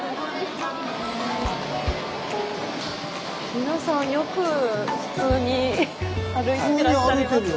皆さんよく普通に歩いてらっしゃいますよね。